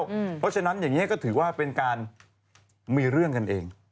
เพราะฉะนั้นอย่างนี้ก็ถือว่าเป็นการมีเรื่องกันเอง